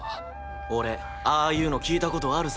俺ああいうの聞いたことあるぜ。